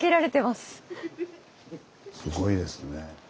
すごいですね。